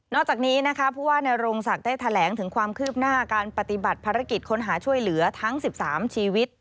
จากนี้นะคะผู้ว่านโรงศักดิ์ได้แถลงถึงความคืบหน้าการปฏิบัติภารกิจค้นหาช่วยเหลือทั้ง๑๓ชีวิต